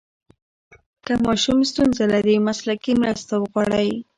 که ماشوم ستونزه لري، مسلکي مرسته وغواړئ.